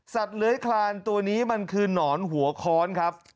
เลื้อยคลานตัวนี้มันคือหนอนหัวค้อนครับ